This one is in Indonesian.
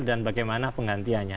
dan bagaimana penggantiannya